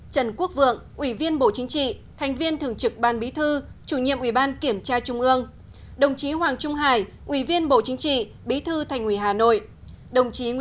tổng bí thư nguyễn phú trọng